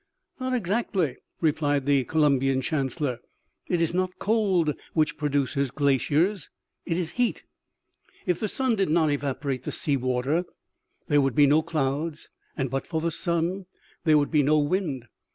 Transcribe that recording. " Not exactly," replied the Columbian chancellor. " It is not cold which produces glaciers, it is heat. " If the sun did not evaporate the sea water there would be no clouds, and but for the sun there would be no wind.